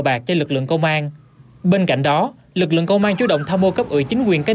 bạc cho lực lượng công an bên cạnh đó lực lượng công an chú động tham mô cấp ủy chính quyền các